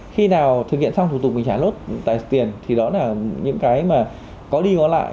khi nào thực hiện xong thủ tục mình trả lốt tài tiền thì đó là những cái mà có đi có lại